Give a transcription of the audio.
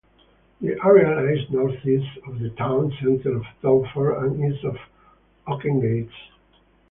The area lies North-East of the town centre of Telford and East of Oakengates.